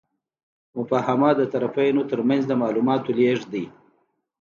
مفاهمه د طرفینو ترمنځ د معلوماتو لیږد دی.